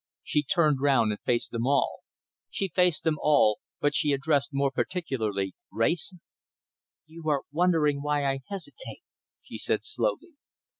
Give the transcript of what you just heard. She turned round and faced them all. She faced them all, but she addressed more particularly Wrayson. "You are wondering why I hesitate," she said slowly.